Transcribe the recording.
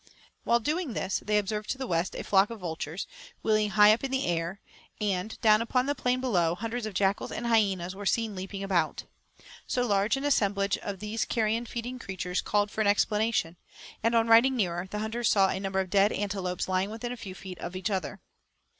While doing this, they observed to the west, a flock of vultures, wheeling high up in the air; and, down upon the plain below, hundreds of jackals and hyenas were seen leaping about. So large an assemblage of these carrion feeding creatures called for an explanation; and, on riding nearer, the hunters saw a number of dead antelopes lying within a few feet of each other.